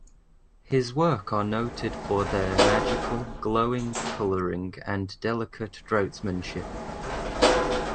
His works are noted for their magical, glowing colouring and delicate draughtsmanship.